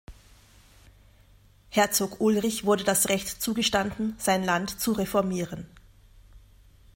Herzog Ulrich wurde das Recht zugestanden, sein Land zu reformieren.